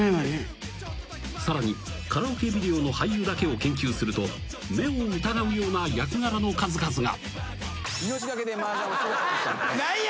更に、カラオケビデオの俳優だけを研究すると目を疑うような役柄の数々が。